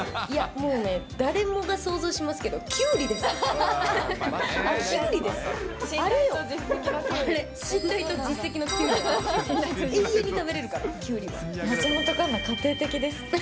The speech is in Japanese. いや、もうね、誰もが想像しますけど、きゅうりです。